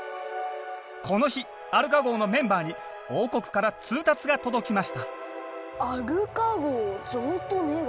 この日アルカ号のメンバーに王国から通達が届きました「アルカ号譲渡願い」。